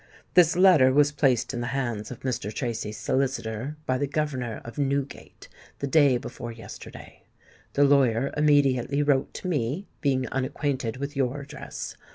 "This letter was placed in the hands of Mr. Tracy's solicitor, by the governor of Newgate, the day before yesterday. The lawyer immediately wrote to me, being unacquainted with your address.